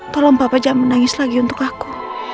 tolong papa jangan menangis lagi untuk aku